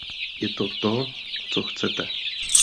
Je to to, co chcete?